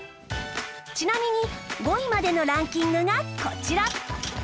ちなみに５位までのランキングがこちら